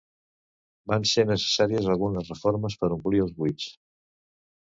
Van ser necessàries algunes reformes per omplir els buits.